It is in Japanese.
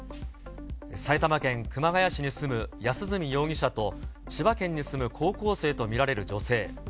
埼玉県熊谷市に住む安栖容疑者と、千葉県に住む高校生と見られる女性。